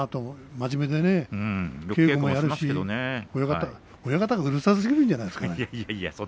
真面目で稽古もやりますし親方がうるさすぎるんじゃないの？